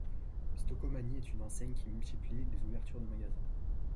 Stokomani est une enseigne qui multiplie les ouvertures de magasins.